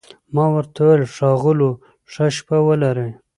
ما ورته وویل: ښاغلو، ښه شپه ولرئ.